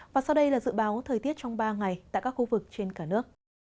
và sau đây là dự báo thời tiết trong ba ngày tại các khu vực trên cả nước